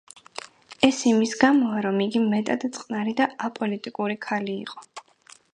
ეს იმის გამოა, რომ იგი მეტად წყნარი და აპოლიტიკური ქალი იყო.